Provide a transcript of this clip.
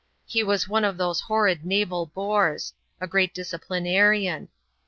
He was one of those horrid naval bores — a great disciplinarian.